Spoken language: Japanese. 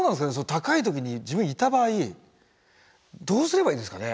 高いところに自分いた場合どうすればいいんですかね？